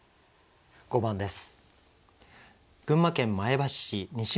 ５番です。